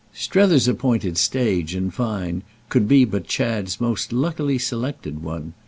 Strether's appointed stage, in fine, could be but Chad's most luckily selected one.